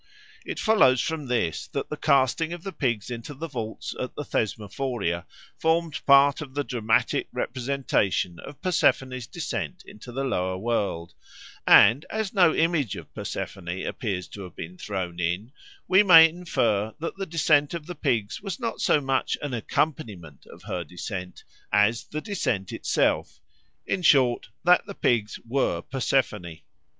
It follows from this that the casting of the pigs into the vaults at the Thesmophoria formed part of the dramatic representation of Persephone's descent into the lower world; and as no image of Persephone appears to have been thrown in, we may infer that the descent of the pigs was not so much an accompaniment of her descent as the descent itself, in short, that the pigs were Persephone.